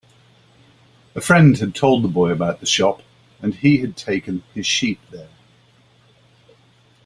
A friend had told the boy about the shop, and he had taken his sheep there.